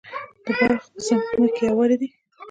د بلخ ځمکې هوارې دي